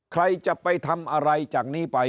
ใครจะไปทำอะไรจากนี้ไป